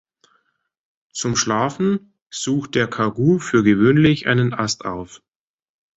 Zum Schlafen sucht der Kagu für gewöhnlich einen Ast auf.